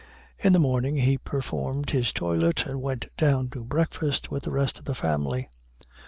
In the morning, he performed his toilet and went down to breakfast with the rest of the family.